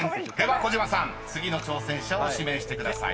次の挑戦者を指名してください］